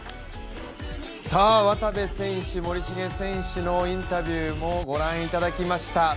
渡部選手、森重選手のインタビューをご覧いただきました。